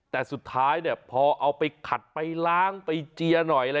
แต่สุดท้ายเนี่ยพอเอาไปขัดไปล้างไปเจียหน่อยอะไรอย่างเงี้ยนะ